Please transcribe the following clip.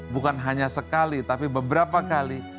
bukan hanya sekali tapi beberapa kali